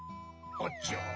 あちゃ